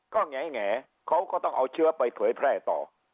ก็แง่เขาก็ต้องเอาเชื้อไปเผยแพร่ต่อ